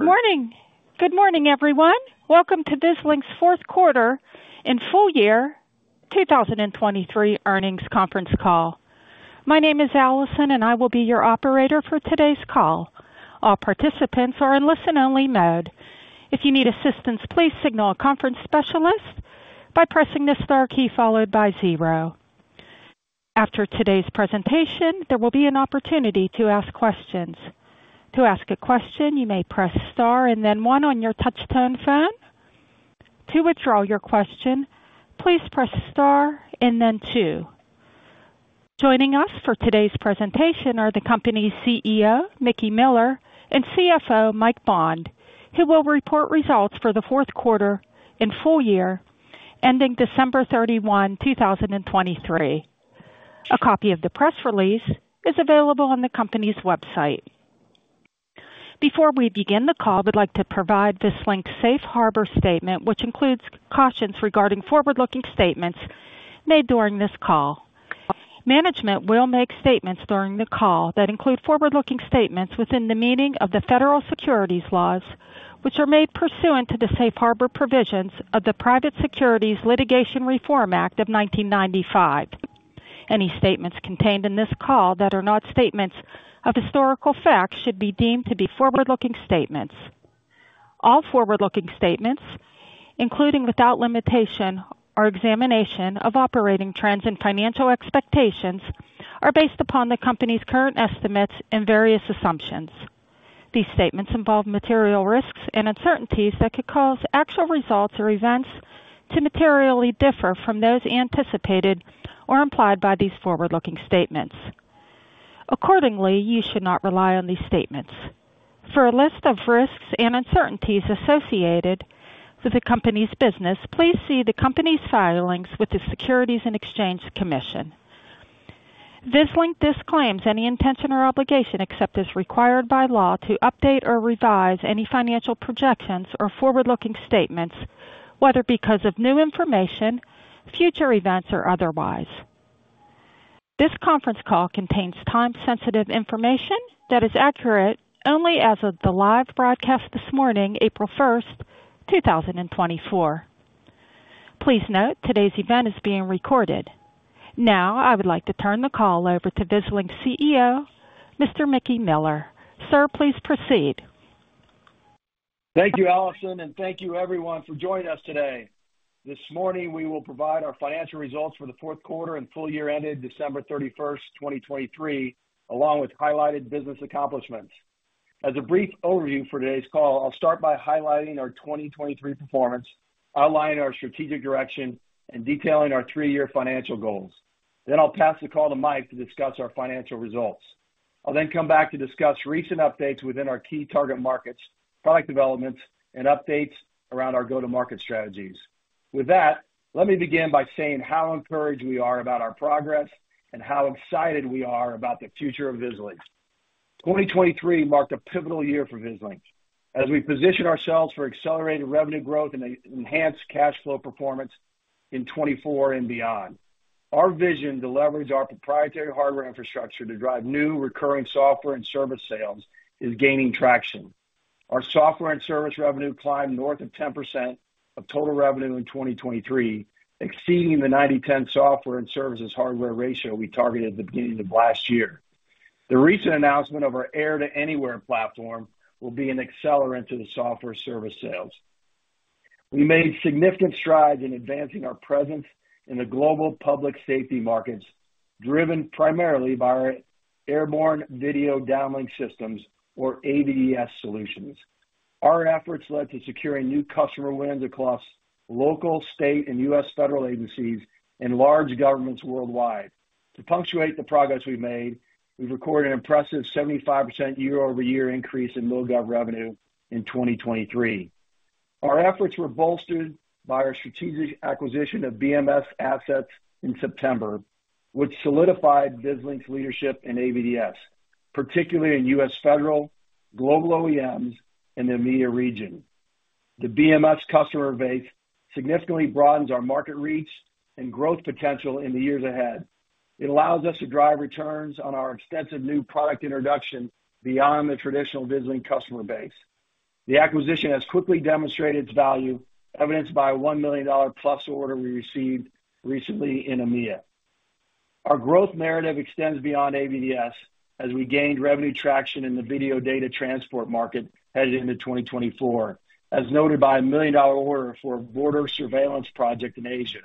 Good morning. Good morning, everyone. Welcome to Vislink's fourth quarter and full-year 2023 earnings conference call. My name is Allison, and I will be your operator for today's call. All participants are in listen-only mode. If you need assistance, please signal a conference specialist by pressing the star key followed by zero. After today's presentation, there will be an opportunity to ask questions. To ask a question, you may press star and then one on your touch-tone phone. To withdraw your question, please press star and then two. Joining us for today's presentation are the company's CEO, Mickey Miller, and CFO, Mike Bond, who will report results for the fourth quarter and full-year ending December 31, 2023. A copy of the press release is available on the company's website. Before we begin the call, I'd like to provide Vislink's Safe Harbor statement, which includes cautions regarding forward-looking statements made during this call. Management will make statements during the call that include forward-looking statements within the meaning of the federal securities laws, which are made pursuant to the Safe Harbor provisions of the Private Securities Litigation Reform Act of 1995. Any statements contained in this call that are not statements of historical fact should be deemed to be forward-looking statements. All forward-looking statements, including without limitation, or examination of operating trends and financial expectations, are based upon the company's current estimates and various assumptions. These statements involve material risks and uncertainties that could cause actual results or events to materially differ from those anticipated or implied by these forward-looking statements. Accordingly, you should not rely on these statements. For a list of risks and uncertainties associated with the company's business, please see the company's filings with the Securities and Exchange Commission. Vislink disclaims any intention or obligation except as required by law to update or revise any financial projections or forward-looking statements, whether because of new information, future events, or otherwise. This conference call contains time-sensitive information that is accurate only as of the live broadcast this morning, April 1, 2024. Please note, today's event is being recorded. Now, I would like to turn the call over to Vislink CEO, Mr. Mickey Miller. Sir, please proceed. Thank you, Allison, and thank you, everyone, for joining us today. This morning, we will provide our financial results for the fourth quarter and full-year ending December 31, 2023, along with highlighted business accomplishments. As a brief overview for today's call, I'll start by highlighting our 2023 performance, outlining our strategic direction, and detailing our three-year financial goals. Then I'll pass the call to Mike to discuss our financial results. I'll then come back to discuss recent updates within our key target markets, product developments, and updates around our go-to-market strategies. With that, let me begin by saying how encouraged we are about our progress and how excited we are about the future of Vislink. 2023 marked a pivotal year for Vislink as we position ourselves for accelerated revenue growth and enhanced cash flow performance in 2024 and beyond. Our vision to leverage our proprietary hardware infrastructure to drive new recurring software and service sales is gaining traction. Our software and service revenue climbed north of 10% of total revenue in 2023, exceeding the 90/10 software and services hardware ratio we targeted at the beginning of last year. The recent announcement of our Air-to-Anywhere platform will be an accelerant to the software service sales. We made significant strides in advancing our presence in the global public safety markets, driven primarily by our airborne video downlink systems, or AVDS, solutions. Our efforts led to securing new customer wins across local, state, and U.S. federal agencies and large governments worldwide. To punctuate the progress we've made, we've recorded an impressive 75% year-over-year increase in MilGov revenue in 2023. Our efforts were bolstered by our strategic acquisition of BMS assets in September, which solidified Vislink's leadership in AVDS, particularly in U.S. federal, global OEMs, and the Middle East. The BMS customer base significantly broadens our market reach and growth potential in the years ahead. It allows us to drive returns on our extensive new product introduction beyond the traditional Vislink customer base. The acquisition has quickly demonstrated its value, evidenced by a $1 million+ order we received recently in EMEA. Our growth narrative extends beyond AVDS as we gained revenue traction in the video data transport market headed into 2024, as noted by a $1 million order for a border surveillance project in Asia.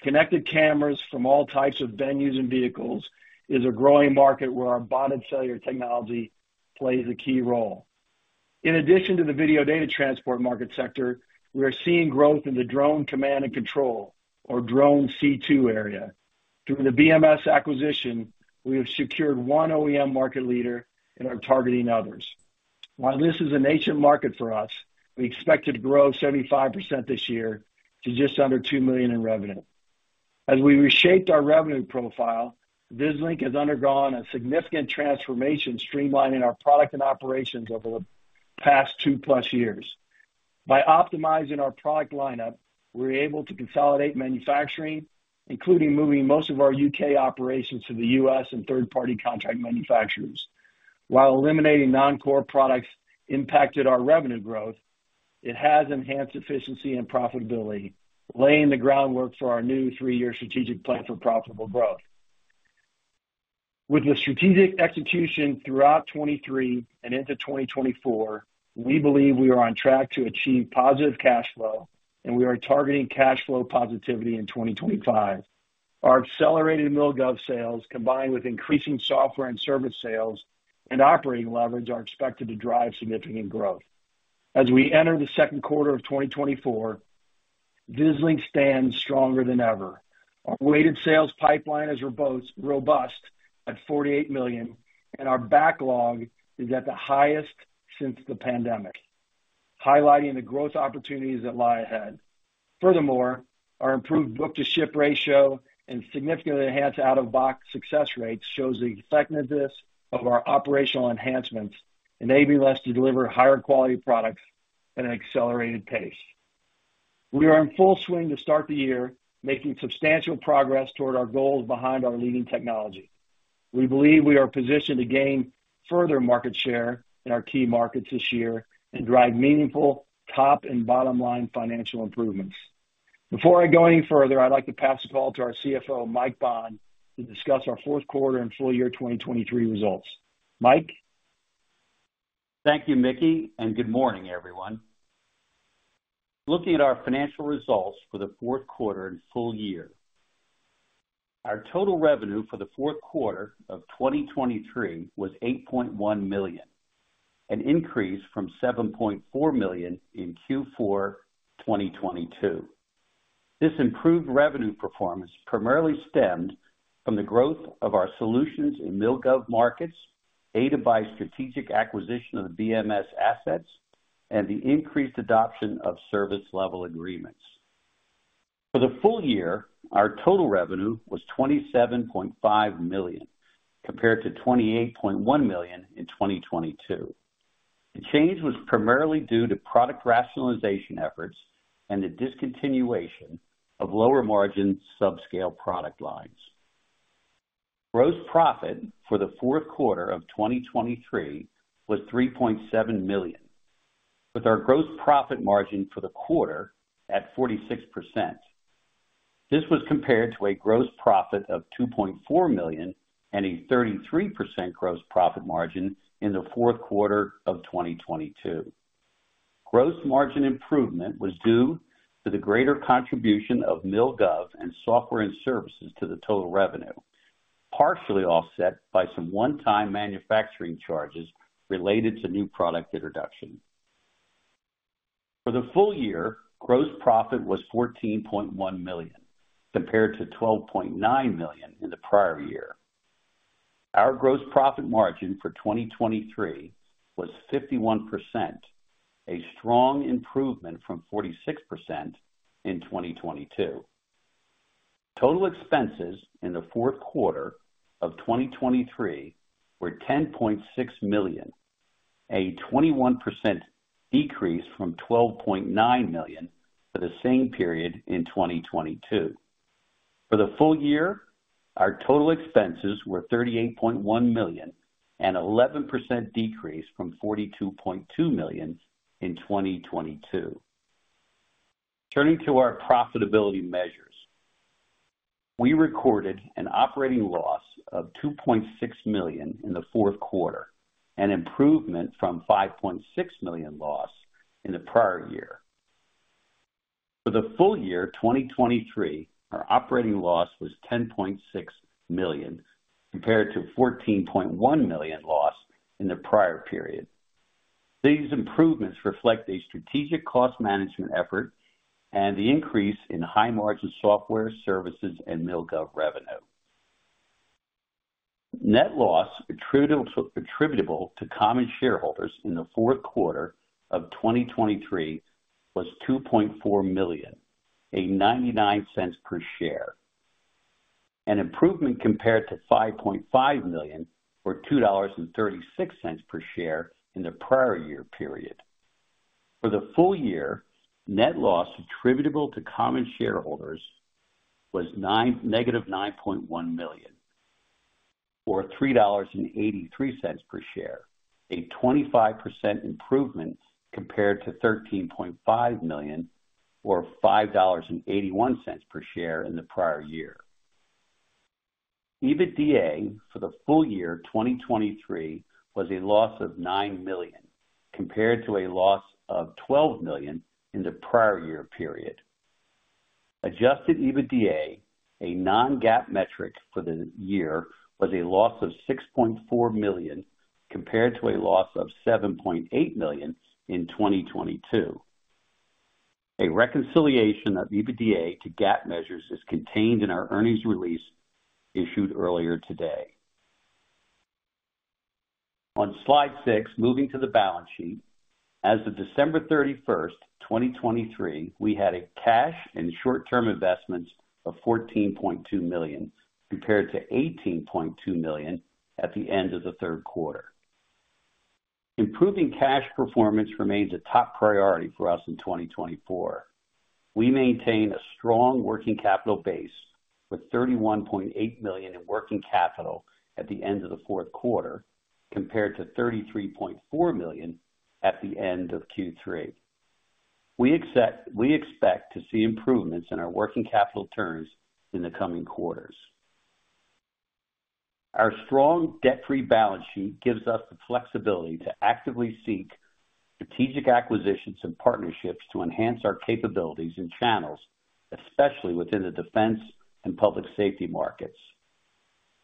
Connected cameras from all types of venues and vehicles is a growing market where our bonded cellular technology plays a key role. In addition to the video data transport market sector, we are seeing growth in the drone command and control, or drone C2, area. Through the BMS acquisition, we have secured one OEM market leader, and we're targeting others. While this is a niche market for us, we expect to grow 75% this year to just under $2 million in revenue. As we reshaped our revenue profile, Vislink has undergone a significant transformation, streamlining our product and operations over the past 2+ years. By optimizing our product lineup, we were able to consolidate manufacturing, including moving most of our U.K. operations to the U.S. and third-party contract manufacturers. While eliminating non-core products impacted our revenue growth, it has enhanced efficiency and profitability, laying the groundwork for our new three-year strategic plan for profitable growth. With the strategic execution throughout 2023 and into 2024, we believe we are on track to achieve positive cash flow, and we are targeting cash flow positivity in 2025. Our accelerated MilGov sales, combined with increasing software and service sales and operating leverage, are expected to drive significant growth. As we enter the second quarter of 2024, Vislink stands stronger than ever. Our weighted sales pipeline is robust at $48 million, and our backlog is at the highest since the pandemic, highlighting the growth opportunities that lie ahead. Furthermore, our improved book-to-ship ratio and significantly enhanced out-of-box success rates show the effectiveness of our operational enhancements, enabling us to deliver higher-quality products at an accelerated pace. We are in full swing to start the year, making substantial progress toward our goals behind our leading technology. We believe we are positioned to gain further market share in our key markets this year and drive meaningful top- and bottom-line financial improvements. Before I go any further, I'd like to pass the call to our CFO, Mike Bond, to discuss our fourth quarter and full-year 2023 results. Mike? Thank you, Mickey, and good morning, everyone. Looking at our financial results for the fourth quarter and full year, our total revenue for the fourth quarter of 2023 was $8.1 million, an increase from $7.4 million in Q4 2022. This improved revenue performance primarily stemmed from the growth of our solutions in MilGov markets, aided by strategic acquisition of the BMS assets, and the increased adoption of service-level agreements. For the full year, our total revenue was $27.5 million compared to $28.1 million in 2022. The change was primarily due to product rationalization efforts and the discontinuation of lower-margin subscale product lines. Gross profit for the fourth quarter of 2023 was $3.7 million, with our gross profit margin for the quarter at 46%. This was compared to a gross profit of $2.4 million and a 33% gross profit margin in the fourth quarter of 2022. Gross margin improvement was due to the greater contribution of MilGov and software and services to the total revenue, partially offset by some one-time manufacturing charges related to new product introduction. For the full year, gross profit was $14.1 million compared to $12.9 million in the prior year. Our gross profit margin for 2023 was 51%, a strong improvement from 46% in 2022. Total expenses in the fourth quarter of 2023 were $10.6 million, a 21% decrease from $12.9 million for the same period in 2022. For the full year, our total expenses were $38.1 million and an 11% decrease from $42.2 million in 2022. Turning to our profitability measures, we recorded an operating loss of $2.6 million in the fourth quarter, an improvement from $5.6 million loss in the prior year. For the full year 2023, our operating loss was $10.6 million compared to $14.1 million loss in the prior period. These improvements reflect a strategic cost management effort and the increase in high-margin software, services, and MilGov revenue. Net loss attributable to common shareholders in the fourth quarter of 2023 was $2.4 million, a $0.99 per share, an improvement compared to $5.5 million or $2.36 per share in the prior year period. For the full year, net loss attributable to common shareholders was -$9.1 million or $3.83 per share, a 25% improvement compared to $13.5 million or $5.81 per share in the prior year. EBITDA for the full year 2023 was a loss of $9 million compared to a loss of $12 million in the prior year period. Adjusted EBITDA, a non-GAAP metric for the year, was a $6.4 million loss compared to a $7.8 million loss in 2022. A reconciliation of EBITDA to GAAP measures is contained in our earnings release issued earlier today. On slide 6, moving to the balance sheet, as of December 31, 2023, we had cash and short-term investments of $14.2 million compared to $18.2 million at the end of the third quarter. Improving cash performance remains a top priority for us in 2024. We maintain a strong working capital base with $31.8 million in working capital at the end of the fourth quarter compared to $33.4 million at the end of Q3. We expect to see improvements in our working capital turns in the coming quarters. Our strong debt-free balance sheet gives us the flexibility to actively seek strategic acquisitions and partnerships to enhance our capabilities and channels, especially within the defense and public safety markets.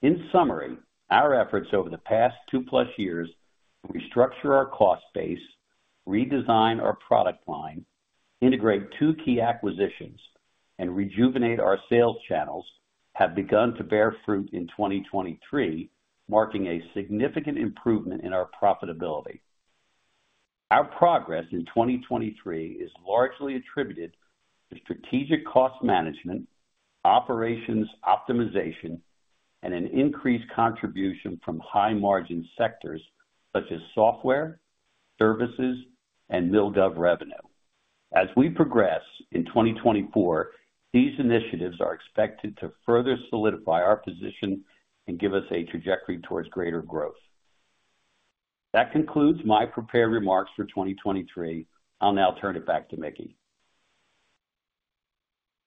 In summary, our efforts over the past 2+ years to restructure our cost base, redesign our product line, integrate two key acquisitions, and rejuvenate our sales channels have begun to bear fruit in 2023, marking a significant improvement in our profitability. Our progress in 2023 is largely attributed to strategic cost management, operations optimization, and an increased contribution from high-margin sectors such as software, services, and MilGov revenue. As we progress in 2024, these initiatives are expected to further solidify our position and give us a trajectory towards greater growth. That concludes my prepared remarks for 2023. I'll now turn it back to Mickey.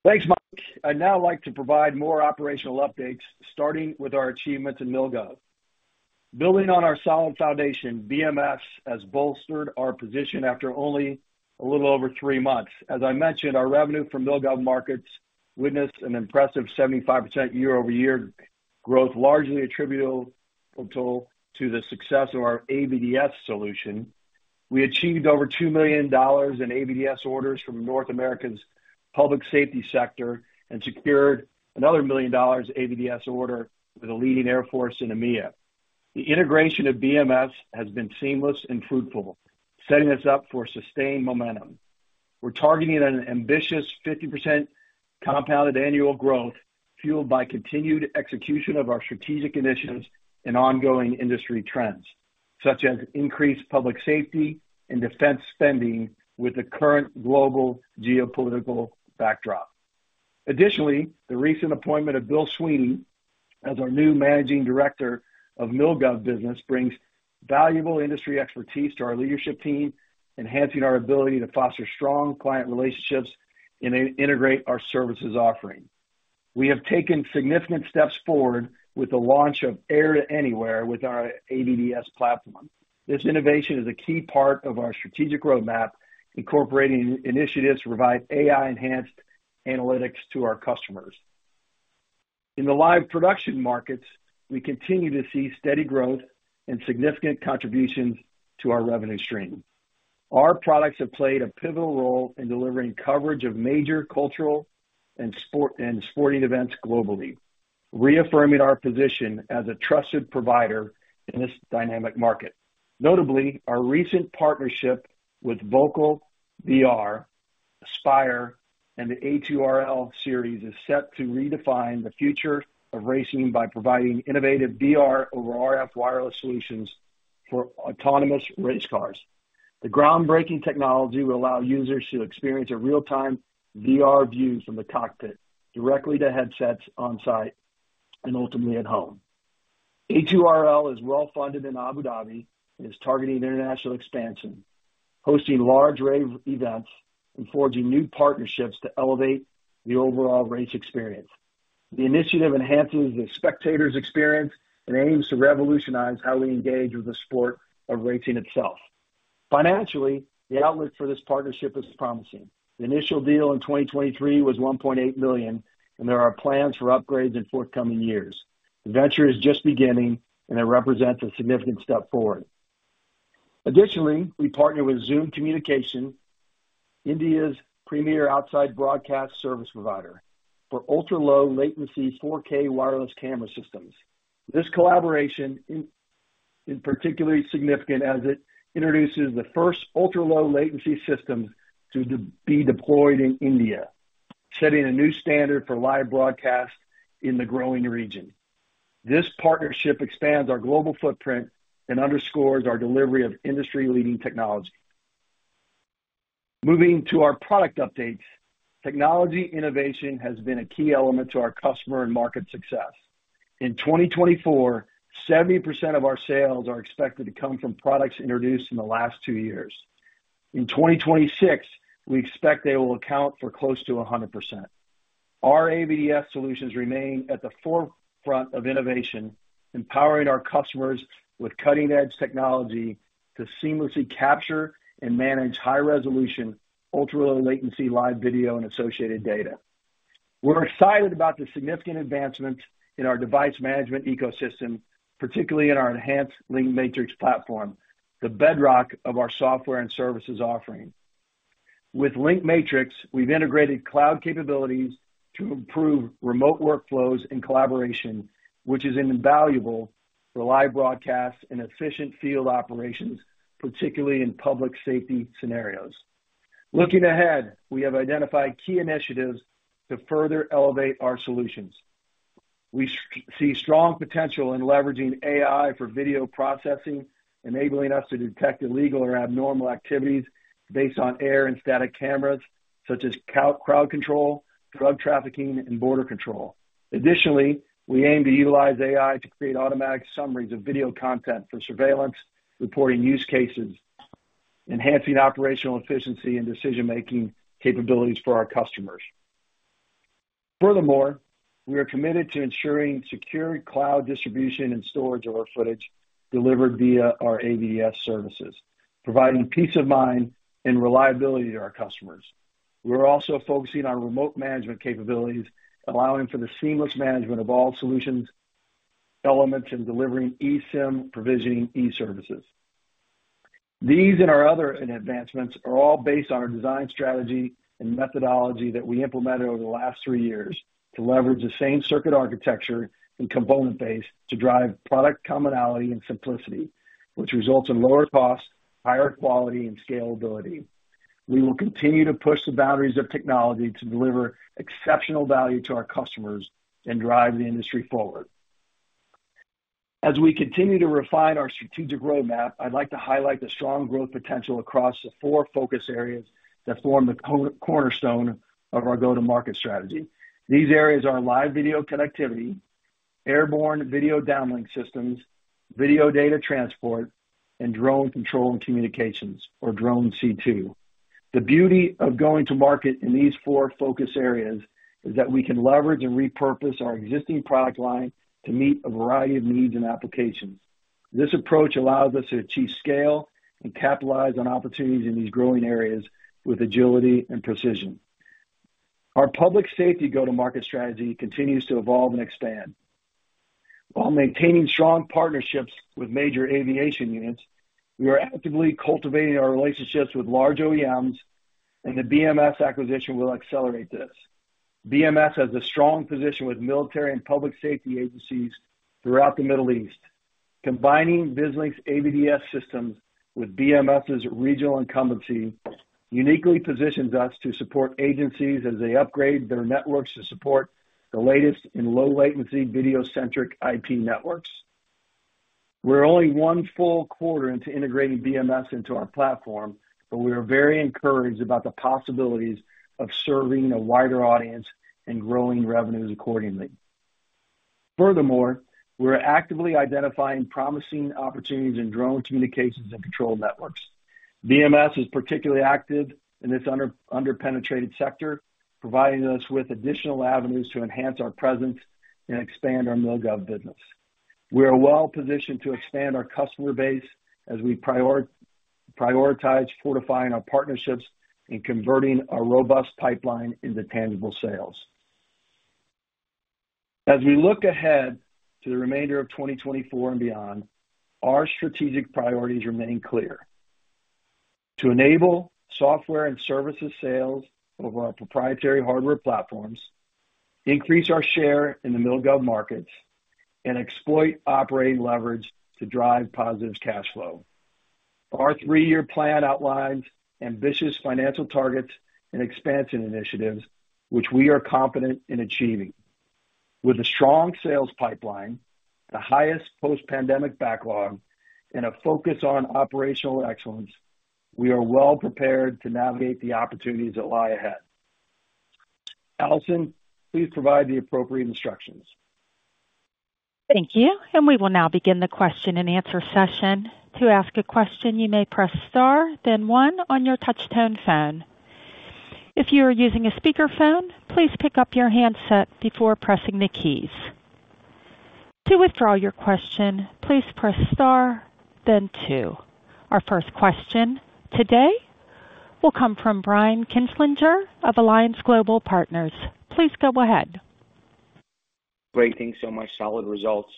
Thanks, Mike. I'd now like to provide more operational updates, starting with our achievements in MilGov. Building on our solid foundation, BMS has bolstered our position after only a little over three months. As I mentioned, our revenue from MilGov markets witnessed an impressive 75% year-over-year growth, largely attributable to the success of our AVDS solution. We achieved over $2 million in AVDS orders from North America's public safety sector and secured another $1 million AVDS order with a leading air force in EMEA. The integration of BMS has been seamless and fruitful, setting us up for sustained momentum. We're targeting an ambitious 50% compounded annual growth fueled by continued execution of our strategic initiatives and ongoing industry trends, such as increased public safety and defense spending with the current global geopolitical backdrop. Additionally, the recent appointment of Bill Sweeney as our new Managing Director of MilGov business brings valuable industry expertise to our leadership team, enhancing our ability to foster strong client relationships and integrate our services offering. We have taken significant steps forward with the launch of Air-to-Anywhere with our AVDS platform. This innovation is a key part of our strategic roadmap, incorporating initiatives to provide AI-enhanced analytics to our customers. In the live production markets, we continue to see steady growth and significant contributions to our revenue stream. Our products have played a pivotal role in delivering coverage of major cultural and sporting events globally, reaffirming our position as a trusted provider in this dynamic market. Notably, our recent partnership with Focal Point VR, ASPIRE, and the A2RL series is set to redefine the future of racing by providing innovative VR over RF wireless solutions for autonomous race cars. The groundbreaking technology will allow users to experience a real-time VR view from the cockpit directly to headsets on-site and ultimately at home. A2RL is well-funded in Abu Dhabi and is targeting international expansion, hosting large race events, and forging new partnerships to elevate the overall race experience. The initiative enhances the spectator's experience and aims to revolutionize how we engage with the sport of racing itself. Financially, the outlook for this partnership is promising. The initial deal in 2023 was $1.8 million, and there are plans for upgrades in forthcoming years. The venture is just beginning, and it represents a significant step forward. Additionally, we partner with Zoom Communications, India's premier outside broadcast service provider, for ultra-low latency 4K wireless camera systems. This collaboration is particularly significant as it introduces the first ultra-low latency systems to be deployed in India, setting a new standard for live broadcast in the growing region. This partnership expands our global footprint and underscores our delivery of industry-leading technology. Moving to our product updates, technology innovation has been a key element to our customer and market success. In 2024, 70% of our sales are expected to come from products introduced in the last two years. In 2026, we expect they will account for close to 100%. Our AVDS solutions remain at the forefront of innovation, empowering our customers with cutting-edge technology to seamlessly capture and manage high-resolution ultra-low latency live video and associated data. We're excited about the significant advancements in our device management ecosystem, particularly in our enhanced LinkMatrix platform, the bedrock of our software and services offering. With LinkMatrix, we've integrated cloud capabilities to improve remote workflows and collaboration, which is invaluable for live broadcasts and efficient field operations, particularly in public safety scenarios. Looking ahead, we have identified key initiatives to further elevate our solutions. We see strong potential in leveraging AI for video processing, enabling us to detect illegal or abnormal activities based on air and static cameras such as crowd control, drug trafficking, and border control. Additionally, we aim to utilize AI to create automatic summaries of video content for surveillance, reporting use cases, enhancing operational efficiency and decision-making capabilities for our customers. Furthermore, we are committed to ensuring secure cloud distribution and storage of our footage delivered via our AVDS services, providing peace of mind and reliability to our customers. We are also focusing on remote management capabilities, allowing for the seamless management of all solutions, elements, and delivering eSIM provisioning eServices. These and our other advancements are all based on our design strategy and methodology that we implemented over the last three years to leverage the same circuit architecture and component base to drive product commonality and simplicity, which results in lower costs, higher quality, and scalability. We will continue to push the boundaries of technology to deliver exceptional value to our customers and drive the industry forward. As we continue to refine our strategic roadmap, I'd like to highlight the strong growth potential across the four focus areas that form the cornerstone of our go-to-market strategy. These areas are live video connectivity, airborne video downlink systems, video data transport, and drone control and communications, or Drone C2. The beauty of going to market in these four focus areas is that we can leverage and repurpose our existing product line to meet a variety of needs and applications. This approach allows us to achieve scale and capitalize on opportunities in these growing areas with agility and precision. Our public safety go-to-market strategy continues to evolve and expand. While maintaining strong partnerships with major aviation units, we are actively cultivating our relationships with large OEMs, and the BMS acquisition will accelerate this. BMS has a strong position with military and public safety agencies throughout the Middle East. Combining Vislink's AVDS systems with BMS's regional incumbency uniquely positions us to support agencies as they upgrade their networks to support the latest in low-latency video-centric IP networks. We're only one full quarter into integrating BMS into our platform, but we are very encouraged about the possibilities of serving a wider audience and growing revenues accordingly. Furthermore, we're actively identifying promising opportunities in drone communications and control networks. BMS is particularly active in this under-penetrated sector, providing us with additional avenues to enhance our presence and expand our MilGov business. We are well-positioned to expand our customer base as we prioritize fortifying our partnerships and converting a robust pipeline into tangible sales. As we look ahead to the remainder of 2024 and beyond, our strategic priorities remain clear: to enable software and services sales over our proprietary hardware platforms, increase our share in the MilGov markets, and exploit operating leverage to drive positive cash flow. Our three-year plan outlines ambitious financial targets and expansion initiatives, which we are confident in achieving. With a strong sales pipeline, the highest post-pandemic backlog, and a focus on operational excellence, we are well-prepared to navigate the opportunities that lie ahead. Allison, please provide the appropriate instructions. Thank you. We will now begin the question-and-answer session. To ask a question, you may press star, then one on your touch-tone phone. If you are using a speakerphone, please pick up your handset before pressing the keys. To withdraw your question, please press star, then two. Our first question today will come from Brian Kinstlinger of Alliance Global Partners. Please go ahead. Great. Thanks so much. Solid results.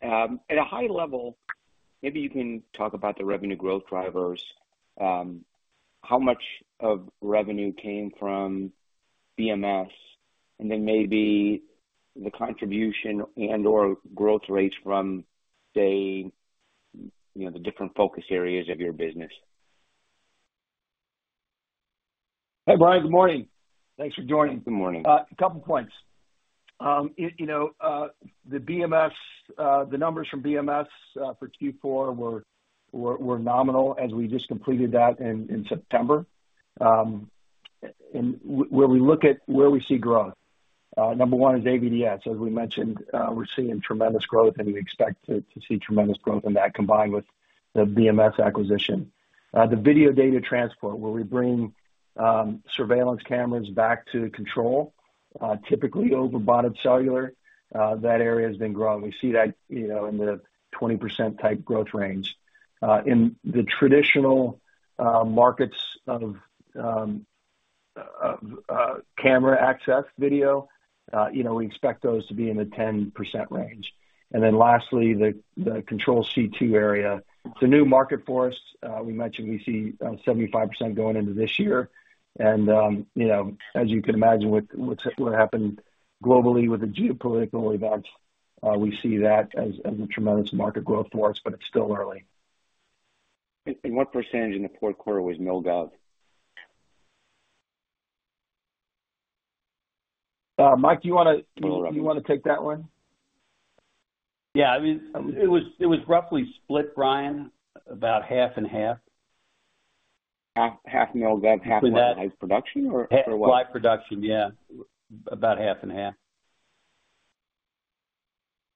At a high level, maybe you can talk about the revenue growth drivers, how much of revenue came from BMS, and then maybe the contribution and/or growth rates from, say, the different focus areas of your business? Hey, Brian. Good morning. Thanks for joining. Good morning. A couple of points. The numbers from BMS for Q4 were nominal as we just completed that in September. And where we look at where we see growth, number one is AVDS. As we mentioned, we're seeing tremendous growth, and we expect to see tremendous growth in that combined with the BMS acquisition. The video data transport, where we bring surveillance cameras back to control, typically over bonded cellular, that area has been growing. We see that in the 20%-type growth range. In the traditional markets of camera access video, we expect those to be in the 10% range. And then lastly, the control C2 area. It's a new market for us. We mentioned we see 75% going into this year. And as you can imagine with what happened globally with the geopolitical events, we see that as a tremendous market growth for us, but it's still early. What percentage in the fourth quarter was MilGov? Mike, do you want to take that one? Yeah. I mean, it was roughly split, Brian, about half and half. Half MilGov, half modernized production, or what? Live production, yeah. About half and half.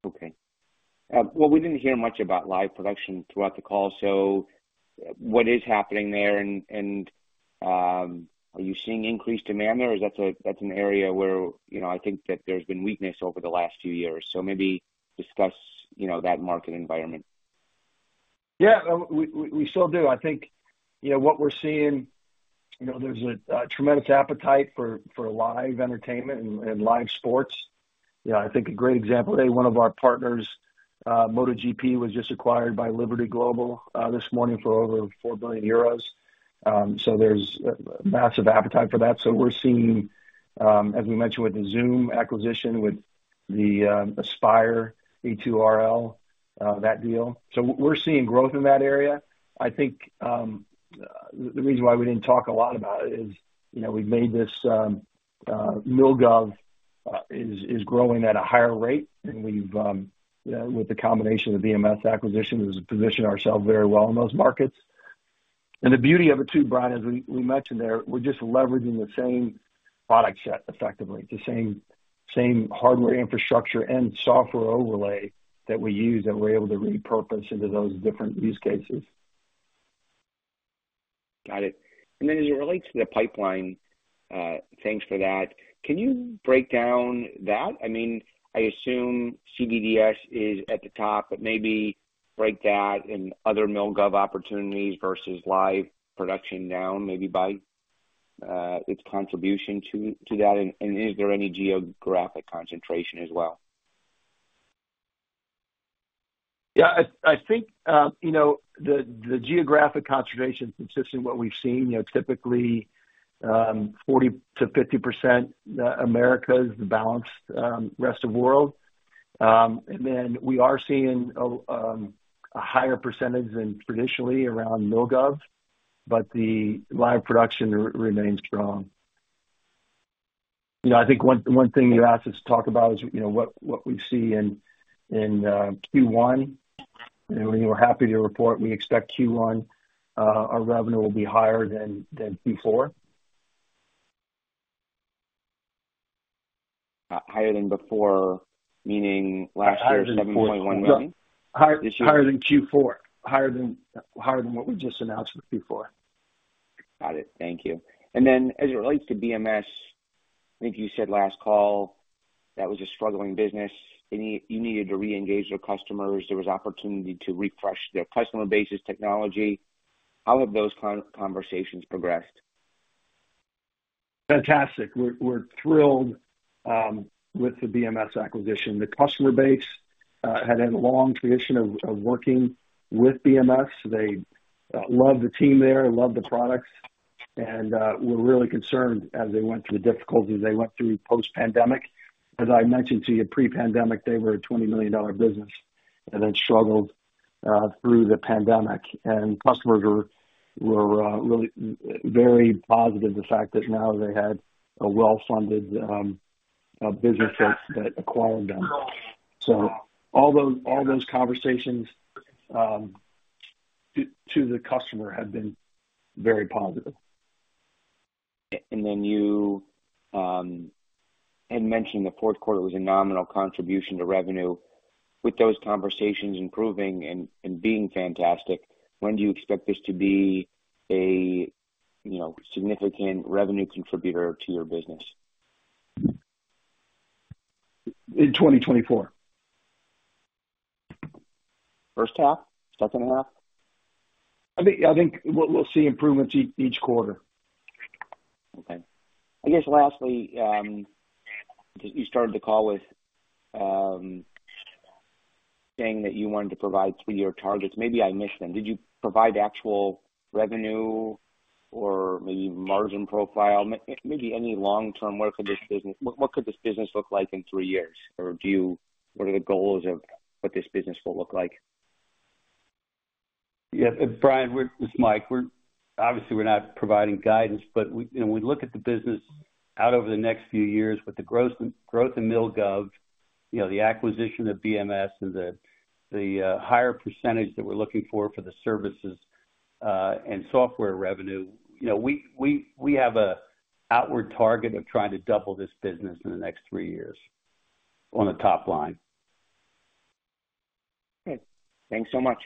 Okay. Well, we didn't hear much about live production throughout the call. So what is happening there? And are you seeing increased demand there? Or is that an area where I think that there's been weakness over the last few years? So maybe discuss that market environment. Yeah. We still do. I think what we're seeing, there's a tremendous appetite for live entertainment and live sports. I think a great example today, one of our partners, MotoGP, was just acquired by Liberty Media this morning for over 4 billion euros. So there's massive appetite for that. So we're seeing, as we mentioned with the Zoom acquisition with the Aspire A2RL, that deal. So we're seeing growth in that area. I think the reason why we didn't talk a lot about it is we've made this MilGov is growing at a higher rate, and with the combination of the BMS acquisition, we've positioned ourselves very well in those markets. The beauty of it too, Brian, as we mentioned there, we're just leveraging the same product set, effectively, the same hardware infrastructure and software overlay that we use that we're able to repurpose into those different use cases. Got it. And then as it relates to the pipeline, thanks for that. Can you break down that? I mean, I assume AVDS is at the top, but maybe break that into other MilGov opportunities versus live production down, maybe by its contribution to that. And is there any geographic concentration as well? Yeah. I think the geographic concentration, consistent with what we've seen, typically 40%-50% America is the balanced rest of the world. And then we are seeing a higher percentage than traditionally around MilGov, but the live production remains strong. I think one thing you asked us to talk about is what we see in Q1. And we were happy to report we expect Q1 our revenue will be higher than Q4. Higher than before, meaning last year's 7.1 million issues? Higher than Q4. Higher than what we just announced for Q4. Got it. Thank you. And then as it relates to BMS, I think you said last call that was a struggling business. You needed to reengage your customers. There was opportunity to refresh their customer base's technology. How have those conversations progressed? Fantastic. We're thrilled with the BMS acquisition. The customer base had had a long tradition of working with BMS. They loved the team there, loved the products. And we're really concerned as they went through the difficulties they went through post-pandemic. As I mentioned to you, pre-pandemic, they were a $20 million business and then struggled through the pandemic. And customers were really very positive the fact that now they had a well-funded business that acquired them. So all those conversations to the customer have been very positive. Then you had mentioned the fourth quarter was a nominal contribution to revenue. With those conversations improving and being fantastic, when do you expect this to be a significant revenue contributor to your business? In 2024. First half? Second half? I think we'll see improvements each quarter. Okay. I guess lastly, you started the call with saying that you wanted to provide three-year targets. Maybe I missed them. Did you provide actual revenue or maybe margin profile? Maybe any long-term what could this business look like in three years? Or what are the goals of what this business will look like? Yeah. Brian, it's Mike. Obviously, we're not providing guidance, but we look at the business out over the next few years with the growth in MilGov, the acquisition of BMS, and the higher percentage that we're looking for for the services and software revenue. We have an outward target of trying to double this business in the next three years on the top line. Okay. Thanks so much.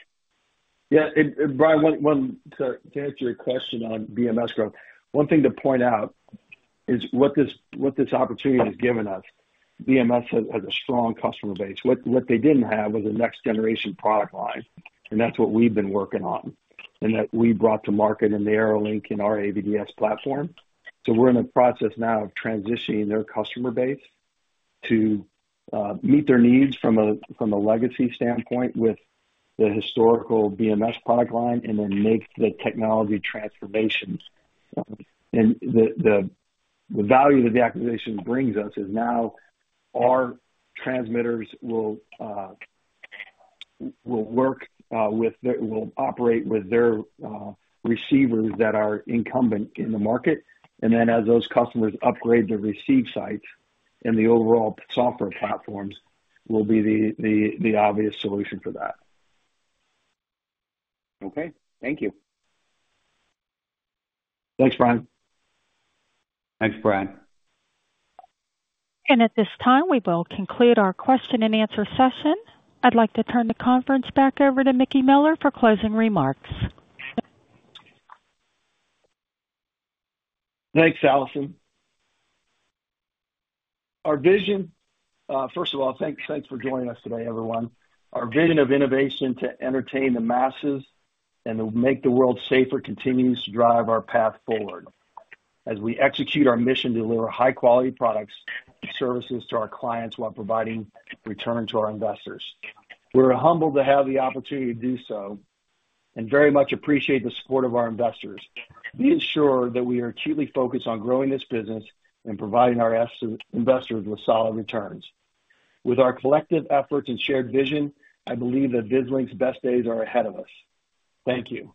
Yeah. Brian, to answer your question on BMS growth, one thing to point out is what this opportunity has given us. BMS has a strong customer base. What they didn't have was a next-generation product line, and that's what we've been working on and that we brought to market in the AeroLink and our AVDS platform. So we're in the process now of transitioning their customer base to meet their needs from a legacy standpoint with the historical BMS product line and then make the technology transformation. And the value that the acquisition brings us is now our transmitters will work with will operate with their receivers that are incumbent in the market. And then as those customers upgrade their receive sites, and the overall software platforms will be the obvious solution for that. Okay. Thank you. Thanks, Brian. Thanks, Brian. At this time, we will conclude our question-and-answer session. I'd like to turn the conference back over to Mickey Miller for closing remarks. Thanks, Allison. Our vision, first of all, thanks for joining us today, everyone. Our vision of innovation to entertain the masses and to make the world safer continues to drive our path forward as we execute our mission to deliver high-quality products and services to our clients while providing return to our investors. We're humbled to have the opportunity to do so and very much appreciate the support of our investors. We ensure that we are acutely focused on growing this business and providing our investors with solid returns. With our collective efforts and shared vision, I believe that Vislink's best days are ahead of us. Thank you.